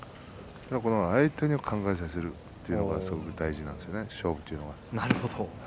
相手に考えさせるというのは大事なんですね、勝負というのは。